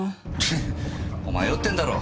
プッお前酔ってんだろ。